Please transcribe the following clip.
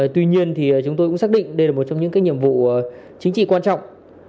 tuy nhiên tùng cũng xác định đây là một trong những nhiệm vụ chính trị quan trọng